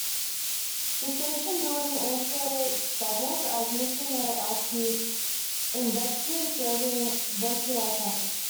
The station building also doubles as Michi-no-eki Imabetsu serving vehicular traffic.